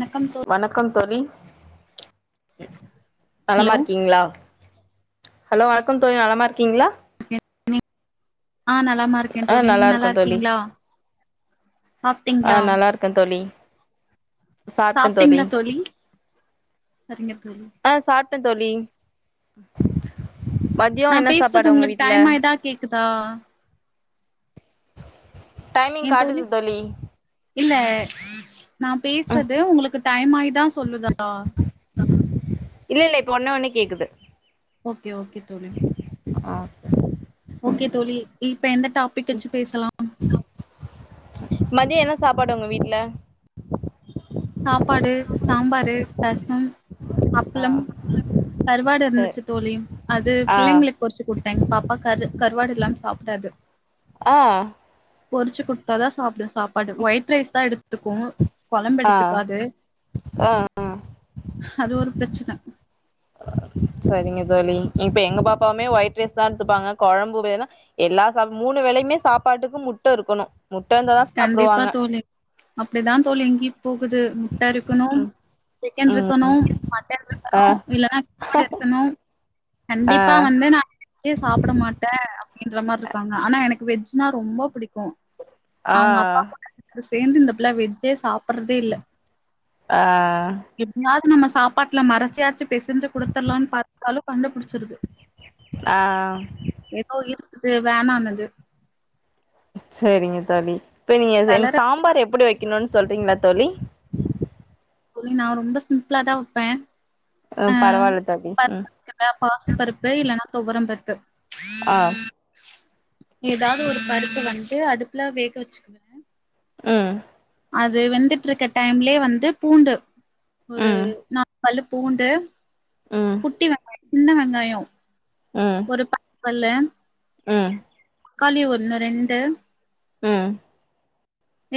வணக்கம் தோ வணக்கம் தோழி ஹலோ நலமா இருக்கீங்ளா ஹலோ வணக்கம் தோழி நலமா இருக்கீங்களா ன்னிப் ஆஹ் நலாம இருக்கே தோழி நீங்க நல்லா இருக்கீங்களா சாப்ட்டீங்களா ஆஹ் நல்லா இருக்கே தொழி சாப்பிட்டீங்களா தோழி சரிங்க தோழி ஆஹ் சாப்ப டதோழி நா பேசுறது உங்களுக்கு டைமாய் தா கேக்குதா டைமிங் என் தொழி காட்டுது தோழி இல்ல நா ம் பேசுறது உங்களுக்கு டைம் ஆயிதான் சொல்லுதா சொண்ண ஒன்னே கேக்குது ஓகே ஓகே தொழி ஆ ஓகே தோழி இப்ப எந்த டாபிக் வச்சு பேசலா மதியம் என்ன சாப்பாடு உங்க வீட்டு்ல சாப்பாடு சாம்பாரு ரசம் ஆ அப்பளம் கருவாடு சரி இருந்துச்சு தோழி அது ஆ பிள்ளைங்களுக்கு பொறிச்சு கொடுத்தே பாப்பா கரு கருவாடு எல்லா சாப்டாது ஆஹ் பொறிச்சு குடுத்தாதா சாப்பிடும் சாப்பாடு ஒயிட் ரைஸ் தா எடுத்துக்கு குழம்ப ஆஹ் ஹ் ஆஹ் அது ஒரு பிரச்ன செரிங்க தோழி இப்ப எங்க பாப்பவுமே ஒயிட் ரைஸ் தா எடுத்துப்பாங்க கொழம்பு வேணுனா எல்லா சா மூணு வேலையுமே சாப்பாட்டுக்கு முட்ட இருக்கணு முட்ட இருந்தாதா கண்டிப்பா சாப்டுவாங்க தோழி அப்டிதா தோழி இங்கயு போ து முட்ட இருக்கணு சிக்கன் ம் இருக்கணு மட்டன் ஆ இருக்கணு இல்லன்னா காட இருக்கணு ஆ கண்டிப்பா வந்து நா வெஜ் சாப்ட மாட்டே அப்டின்ற மாரி இருக்காங்க ஆனா எனக்கு வெஜ்னா ரொம்ப புடிக்கு ஆஹ் சேர்ந்துந்தப்புல்ல வெஜ்ஜே சாப்பறதே இல்ல ஆஹ் எப்டியாவது நம்ம சாப்பாட்ல மறச்சியாச்சு பெசஞ்ஜி குடுத்தர்லானு பாத்தாலு கண்டுபுடிச்சிருது ஆஹ் இது வேணானுது சரிங்க தோழி இப்போ நீங்க எ கலர எனக்கு சாம்பார் எப்டி வைக்கணுனு சொல்றீங்களா தோழி தோழி நா ரொம்ப சிம்ப்ளா தா வப்பே ம் ஆஹ் பரவால்ல தோழி ம் பருப்பு பாசி பருப்பு இல்லன்னா துவரம் பருப்பு ஆஹ் ஏதாவது ஒரு பருப்ப வந்து அடுப்புல வேக வச்சுக்குவே உம் அது வெந்துட்டு இருக்க டைம்லயே வந்து பூண்டு ஒரு ம் நா பள்ளு பூண்டு குட்டி வெங்காயோ சின்ன வெங்காயோ உம் பள்ளு உம் தக்காளி ஒன்னு ரெண்டு உம்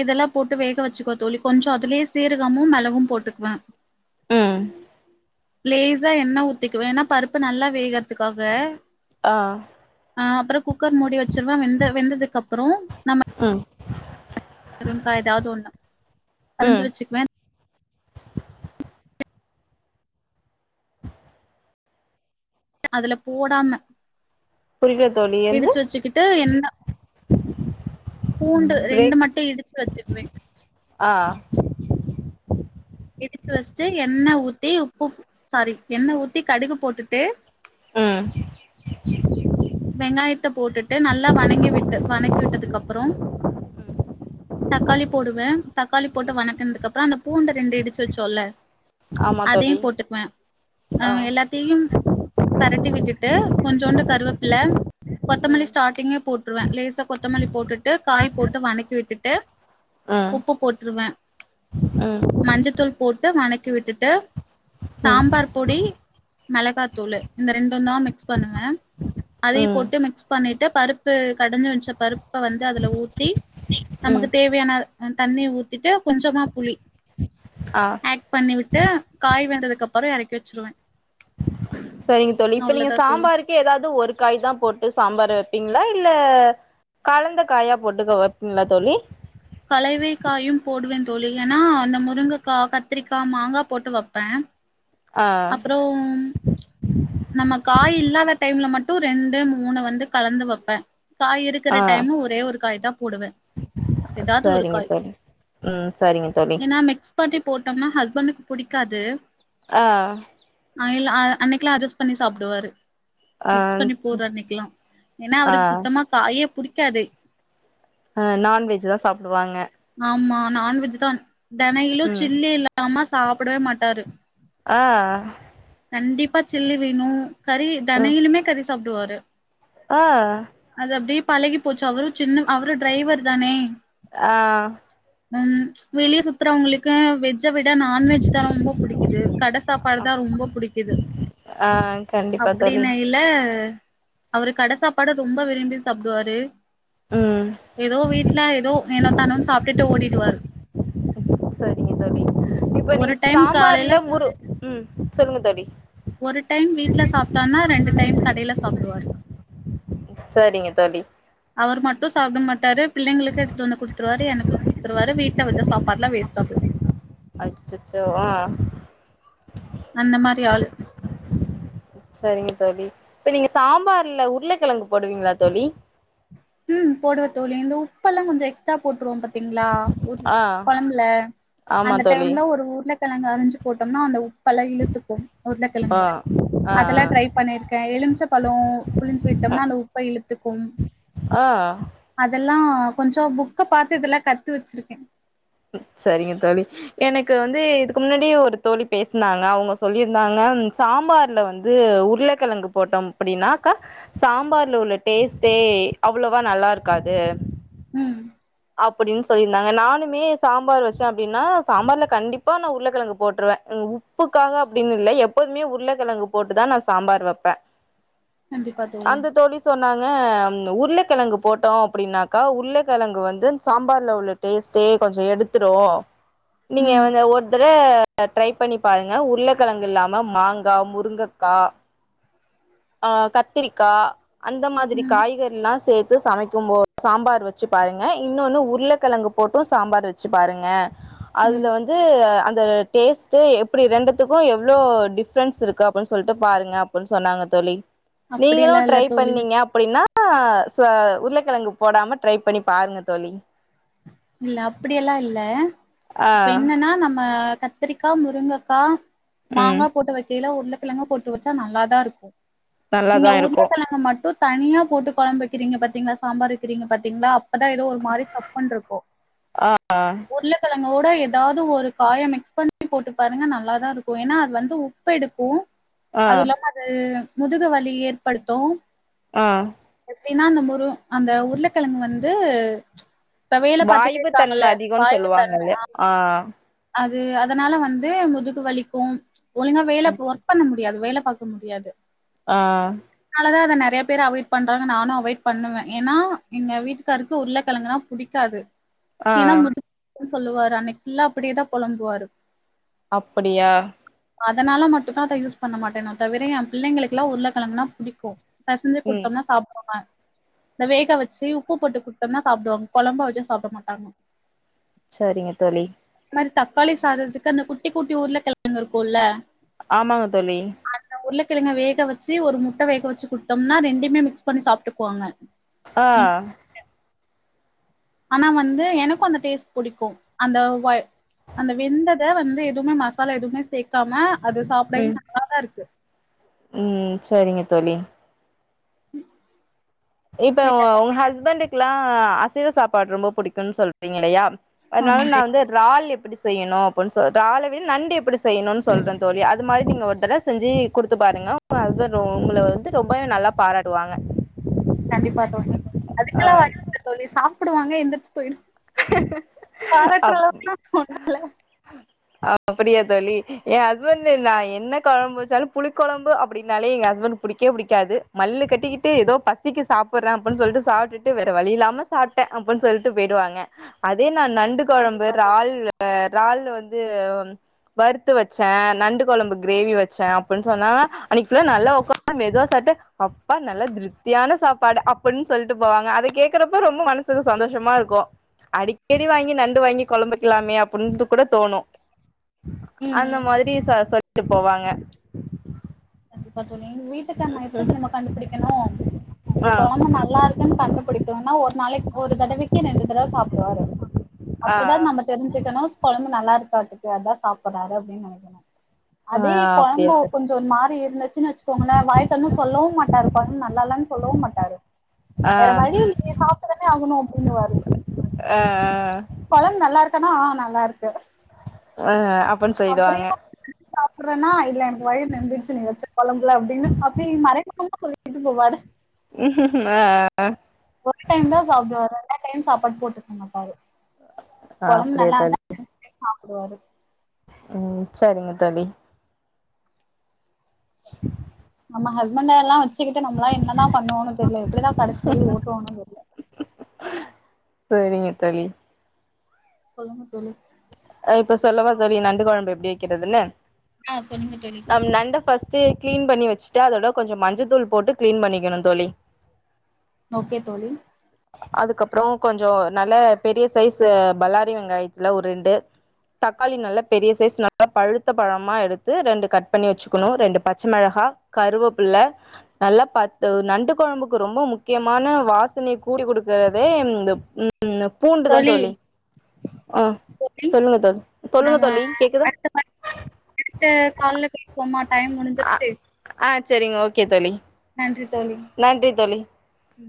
இதெல்லா போட்டு வேக வச்சுக்கோ தோழி கொஞ்சோ அதுலயே சீரகமு மெளகும் போட்டுக்குவே உம் லேசா எண்ண ஊத்திக்குவே ஏன்னா பருப்பு நல்லா வேகரதுக்காக ஆ அஹ் அப்ரோ குக்கர் மூடி வச்ருவே வெந்த வெந்ததுக்கு அப்ரோ நம்ம ஹ முறுங்க்கா ஏதாவது ஒண்ணு அறுஞ்சு ம் வச்சுக்குவேன் அதுல போடாம புரில தோழி என்னது இடுச்சு வச்சுக்கிட்டு எண்ண பூண்டு ரெண்டு பிரேக் மட்டும் இடுச்சு வச்சுக்குவேன் ஆ இடுச்சு வச்சு எண்ண ஊத்தி உப்பு சாரி எண்ண ஊத்தி கடுகு போட்டுட்டு உம் வெங்காயத்த போட்டுட்டு நல்லா வணங்கி விட்டு வணங் கி விட்டதுக்கு அப்பறோம் தக்காளி போடுவேன் தக்காளி போட்டு ம் வணக்கனதுக்கு அப்புறம் அந்த பூண்ட ரெண்டு இடுச்சு வச்சோல்ல ஆமா தோழி அதையும் போட்டுக்குவேன் ஆ அஹ் எல்லாத்தையும் பெறட் டி விட்டுட்டு கொஞ்சோண்டு கருவ பில்ல கொத்தமல்லி ம் ஸ்டார்டிங்லயே போட்டுருவேன் லேசா கொத்தமல்லி போட்டுட்டு காய் போட்டு வணக்கி விட்டுட்டு ம் ம் உப்பு போட்டுருவேன் ம் மஞ்சதூள் போட்டு வணக் த்தி விட்டுட்டு ம் சாம்பார்பொடி மெளகாத்தூளு இந்த ரெண்டுந்தா மிக்ஸ் பண்ணுவே அதயு போட்டு மிக்ஸ் பண்ணிட்டு பருப்பு கடஞ்சு வெஞ்ச பருப்ப வந்து அதுல ஊத்தி ம் நமக்கு தேவையான அ தண்ணிய ஊத்திட்டு கொஞ்சமா புளி ஆ ஏக் பண்ணி விட்டு காய் வ ந்ததுக்கு அப்பறோ எறக்கி வெச்சிருவே சரிங்க தோழி இப்ப நீங்க தோழி சாம்பாருக்கே எதா ஒரு காய் தா போட்டு சாம்பார் வெப்பீங்ளா இல்ல கலந்த காயா போட்டுதா வெப்ங்ளா தோழி கலைவை காயும் போடுவே தோழி ஏனா அந்த முருங்கக்கா கத்திரிக்கா மாங்கா போட்டு வெப்பே ஆ அப்றோம் நம்ம காய் இல்லாத டைம்ல மட்டு ரெண்டு மூணு வந்து கலந்து வெப்பே காய் இருக்கற ஆ டைமு ஒரே ஒரு காய் தா போடுவே எதாது ஒரு சரிங்க காய் தோழி ம் சரிங்க தோழி ஏன்னா மிக்ஸ் பண்ணி போட்டம்னா ஹஸ் பண்ணுக்கு புடிக்காது ஆ ஐல் அ அன்னிக்குலா அஜ்ஜஸ் பண்ணி சாப்டுவாரு ஆ மிக்ஸ் பண்ணி போட்ற அன்னிக்குலா ஏன்னா ஆ அவுருக்கு சுத்தமா காயே புடிக்காதே அ நான்வெஜ் தா சாப்டுவாங்க ஆம்மா நான்வெஜ்ஜூ தான் தன இலு ம் சில்லே இல்ல அம்மா சாப்டவே மாட்டாரு ஆ அ கண்டிப்பா செல்லு வேணு கறி ம் தனயிலுமே கறி சாப்டுவாரு ஆ அதப்படியே பழகி போச்சு அவரு சின்னவ் அவரு டிரைவர் தானே ஆ ம் வெளிய சுத்றவங்குளுக்கு வெஜ் ஜ்ஜ விட நான்வெஜ் தா ரொம்ப புடிக்கிது கட சாப்பாடுதா ரொம்ப புடிக்கிது ஆ கண்டிப்பா தோழி அப்டின்னு இல்ல அவரு கட சாப்பாடு ரொம்ப விரும்பி சாப்டுவாரு ம் எதோ வீட்ல எதோ எனக் தானு சாப்டுட்டு ஓடிடுவாரு சரிங்க தோழி இப்ப ஒரு நீங்க டைம் காலையில சாம்பார்ல முறு ம் சொல்லுங்க தோழி ஒரு டைம் வீட்ல சாப்பிட்டானா ரெண்டு டைம் கடையில சாப்பிடுவாரு சரிங்க தோழி அவர் மட்டு சாப்பிட மாட்டாரு பிள்ளைங்களுக்கு எடுத்துட்டு வந்து குடுத்துருவாரு எனக்கு குடுத்துருவாரு வீட்ல வச்ச சாப்பாடுல்லா வேஸ்டா போய்டு அச்சச்சோ ஆஹ் அந்த மாரி ஆளு சரிங்க தோழி இப்ப நீங்க சாம்பார்ல உருளக்கெழங்கு போடுவீங்களா தோழி ம் போடுவ தோழி இந்த உப்பெல்லா கொஞ்ச எக்ஸ்ட்ரா போட்ருவோப் பா திங்லா ஒரு ஆ கொலம்புல ஆமா அந்த தோழி டைம்ல ஒரு உருலக் உருலக்கிழங்க அரிஞ்சு போட்டோம்னா அந்த உப் ப்ல இழுத்துக்கு ஆ உருளக்கெழங்கு ஆ அதெல்லா ட்ரை பண்ணியிருக்கே எலுமிச்ச பலோ புளிஞ்சு விட்டோம்னா அந்த உப்ப இழுத் த்துக்கும் ஆஹ் எல்லா கொஞ்ச புக்க பாத்து இதுல்லா கத்து வச்சிருக்கே சரிங்க தோழி எனக்கு வந்து இதுக்கு முன்னாடி ஒரு தோழி பேஸ்னாங்க அவங்க சொல்லியிருந்தாங்க சாம்பார்ல வந்து உருளக்கெழங்கு போட்டோ அப்டின்னாக்கா சாம்பார்ல உள்ள டேஸ்ட்டே அவ்ளோவா நல்லா இருக்காது ம் அப்டின்னு சொல்லியிருந்தாங்க நானுமே சாம்பார் வச்சே அப்டின்னா சாம்பார்ல கண்டிப்பா நா உருளக்கெழங்கு போட்டுருவே உப்புக்காக அப்படின்னு இல்ல எப்போதுமே உருளக்கெழங்கு போட்டுதா நா சாம்பார் வப்பே அந்த தோழி சொன்னாங் க உருளைக்கிழங்கு போட்டோ அப்டின்னாக்கா உருளைக்கிழங்கு வந்து சாம்பார்ல உள்ள டேஸ்ட்டே கொஞ்ச எடுத்துரு நீங்க ம் வந்து ஒருத்தர் க ட்ரை பண்ணி பாருங்க உருளைக்கெழங்கு இல்லாம மாங்கா முருங்கக்கா ஆஹ் கத்திரிக்கா அந்த மாதிரி ம் காய்கற எல்லா சேத்து சமைக்கும்போது சாம்பார் வச்சு பாருங்க இன்னொன்னு உருளைக்கெழங்கு போட்டு சாம்பார் வச்சு பாருங்க அதுல ம் வந்து அந்த டேஸ்ட் து எப்டி ரெண்டுத்துக்கு எவ்ளோ டிஃபரன்ஸ் இருக்கு அப்டின்னு சொல்லிட்டு பாருங்க அப்டின்னு சொன்னாங்க தோழி நீங்களு அப்படியெல்லா இல்ல ட்ரை தோழி பண்ணீங்க அப்டின்னா ஹ உருளக்கிழங்கு போடாம ட்ரை பண்ணி பாருங்க தோழி இல்ல அப்படியெல்லா இல்ல ஆ இப்ப என்னன்னா நம்ம கத் கத்தரிக்கா முருங்கக்கா ம் மாங்கா போட்டு வைக்கல உருளக் க்கிழங்க போட்டு வச்சா நல்லாதா இருக்கும் நீங்க நல்லாதா இருக்கு உருளக்கெழங்க மட்டு தனியா போட்டு கொழம்ப வைக்கிறீங்க பாத்தீங்களா சாம்பார் வைக்கிறீங்க பாத்தீங்களா அப்பதா எதோ ஒரு மாரி சப்புனுருக்கு ஆ ஆ ஒருத்தங்குட எதாவது ஒரு காய மிக்ஸ் பண்ணி போட்டு பாருங்க நல்லாதா இருக்கும் ஏன்னா அது வந்து உப்பு எடுக்கும் ஆ அதுவு இல்லாம அது முதுகு வலி ஏற்படுத்து ஆ அப்டின்னா அந்த முரு அந்த உருளக்கெழங்கு வந்து இப்ப வேல பாத்துட்டே வாய்வு தன்ம இருக்காங்கல்ல அதிகோன்னு வாய்வு தன்ம சொல்லுவாங்கல்ல ஆ ஆ அது அதனால வந்து முதுகு வலிக்கு ஒழுங்கா வேல ஒர்க் பண்ணம் முடியாது வேல பாக்க முடியாது ஆ ஆ அதா அத நெறையா பேரு அவெட் பண்றாங்க நானு அவாய்ட் பண்ணுவே ஏன்னா எங்க வீட்டுக்காருக்கு உருளக்கெழங்குலா புடிக்காது ஆ ஏன்னா ஆ முதுகு சொல்லுவாரு அன்னைக்கு ஃபுள்ளா அப்புடிதா பொலம்புவாரு அப்புடியா அதனால மட்டுந்தா அத யூஸ் பண்ண மாட்டே அத தவுர ஏ புள்ளைங்களுக்கெல்லா உருளக்கெங்குனா புடிக்கும் பெசஞ்ன்சு ம் குடுத் இந்த வேக வச்சு உப்பு போட்டு குடுத்தம்னா சாப்புடுவாங்க கொழம்பா வச்சா சாப்டமாட்டாங்க சரிங்க தோழி இந்த மாரி தக்காளி சாததுக்கு அந்த குட்டி குட்டி உர்லகெழங்கு இருக்குல்ல ஆமாங்க தோழி கிழங்க வேக வச்சு ஒரு முட்ட வேக வச்சு குடுத்தோம்னா ரெண்டு மிக்ஸ் பண்ணி சாப்ட்டுக்குவாங்க ஆ ஆ ஆனா வந்து எனக்கு அந்த டேஸ்ட் புடிக்கு அந்த ஃவாய் அந்த வெந்தத வந்து எதுவுமே மசாலா எதுவுமே சேக்காம அது சாப்டவே உம் நல்லாதா இருக்கு உம் செரிங்க தோழி உம் இப்ப ஓ உங்க ஹஸ்பண்ட்டு குலா அசைவ சாப்பாடு ரொம்ப புடிக்குன்னு சொல்றீங்க இல்லையா அதனால ஆமா நா தோழி வந்து ரால் எப் எப்புடி செய்யணு அப்புடுன்னு சொல்ற றாலவிட நண்டு எப்புடி செய்ணுனு சொல்றே தோழி அது மாரி நீங்க ஒரு அதெல்லா செஞ்சி குடுத்து பாருங்க ஒங்க ஹஸ்பண்ட் ஒங்கள வந்து ரொம்பவே நல்லா பாராடுவாங்க கண்டிப்பா தோழி அதுக்கெல்லா வாய்ப்பு இல்ல தோழி சாப் சாப்புடுவாங்க எந்திரிச்சு பொயிடு பாராட்டுற அளவுக்குலா ஒன்னுல அப்டியா தோழி ஏ ஹஸ்பண்ட் நா என்ன கொழம்பு வச்சாலு புளி கொழம்பு அப்டின்னாலே எங்க ஹஸ்பண்ட் புடிக்கவே புடிக்காது மல்லு கட்டிக்கிட்டு எதோ பசிக்கு சாப்பர்றே அப்டின்னு சொல்லிட்டு சாப்ட்டுட்டு வேற வழி இல்லாம சாப்ட்டே அப்டின்னு சொல்ட்டு பொயிடுவாங்க அதே நா நண்டு கொழம்பு கண்டிப்பா தோழி ரால் இறால் வந்து வறுத்து வச்சே நண்டு கொழம்பு கிரேவி வச் சே அப்டின்னு சொன்னா அன்னைக்கு ஃபுல்லா நல்லா ஒக் ஆனா மெதுவா சாப்ட்டா அப்பா நல்லா திருப்தியான சாப்பாடு அப்ன்னு சொல்ட்டு போவாங்க அத கேக்குறப்ப ரொம்ப மனசுக்கு சந்தோஷமா இருக்கு அடிக்கடி வாங்கி நண்டு வாங்கி கொழம்பு வைக்கலாமே அப்டின்டு குட தோனு ம் அந்த ம் மாதிரி ச சொ ட்டு போவாங்க கண்டிப்பா தோழி எங்க வீட்டுக்கான எப்ப தெரிமா கண்டுபுடிக்கணு இப்ப ஆ கொழம்பு நல்லா இருக்குன்னு கண்டுபுடிக்கணுனா ஒரு நாளைக் ஒரு தடவைக்கு ரெண்டு தடவ சாப்டுவாரு ஆ அப்பதா நம்ப தெரிஞ்சுக்கணு கொழம்பு நல்லாருக் காட்டுக்கு அதா சாப்பட ஆரோக்யோனு நெனைக்கனு ஆ அதே அப்டியா கொழம்பா தோ கொஞ்ஜோ மா இருச்சுன்னு வச்சுக்கோங்களே வாய் தொறந்து சொல்லவு மாட்டாரு கொழம்பு நல்லாலனு சொல்லவு மாட்டாரு ஆ வேற வழி இல்லையே சாப்ட்டு தானே ஆகணு அப்டின்னு வாரு ஆ கொழம்பு நல்லா இருக்கான்னா ஆஹ் நல்லாருக்கு ஆஹ் அப்ன்னு செய்வாங்க சாப்பர்றேனா இல்ல வயிறு நெம்பிர்ச்சுனு நீ வச்ச கொழம்புலா அப்டின்னு அப்டி மறைமுக [unintelligible] ஆஹ் ஒரு டைம் தா சாப்டுவாரு ரென்டாது டைம் சாப்பாடு போட்டுக்க மாட்டாரு ஆ கொழம்பு அப்டியா நல்லாருந்தா ஓ அதுக் உம் சரிங்க தோழி ஆமா அது முன்ன எல்லா வச் சுக்கிட்டு நம்பளா என்னதா பண்ணுவோன்னு தெர்ல எப்டிதா கடைசி வரையு ஓட்டுவாங்கனு தெர்ல சரிங்க தோழி சொல்லுங்க தோழி ஹ இப்ப சொல்லவா தோழி நண்டு குழம்பு எப்படி வைக்கிறதுனு ஆஹ் சொல்லுங்க தோழி கிளீன் பண்ணி வச்சுட்டு அதோட கொஞ்ச மஞ்ச தூள் போட்டு கிளீன் பண்ணிக்கணு தோழி ஓகே தோழி அதுக்கப்புறம் கொஞ்சம் நல்ல பெரிய சைஸ் பல்லாரி வெங்காயத்தில் ஒரு ரெண்டு தக்காளி நல்லா பெரிய சைஸ் நல்லா பழுத்த பழமா எடுத்து ரெண்டு கட் பண்ணி வச்சுக்கணு ரெண்டு பச்சை மிளகா கருவேப்புள்ள நல்லா ப நண்டு குழம்புக்கு ரொம்ப முக்கியமான வாசனைைய கூடி குடுக்கறதே இந்த உம் பூண்டுதான் தோழி ஆ சொல்லுங்க தோழி சொல்லுங்க நம்ம தோழி கேக்குதா அடுத்த அடுத்த கால்ல பேசுவோமா தோழி டைம் முடிஞ்சிரிச்சி சரிங்க ஓகே தோழி [unintelligible] நன்றி தோழி ம்